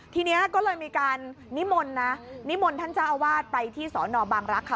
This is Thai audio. ทีนี้ก็เลยมีการนิมนต์นะนิมนต์ท่านเจ้าอาวาสไปที่สอนอบางรักค่ะ